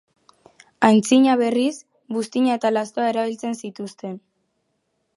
Antzina, berriz, buztina eta lastoa erabiltzen zituzten.